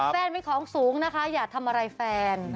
แฟนเป็นของสูงนะคะอย่าทำอะไรแฟน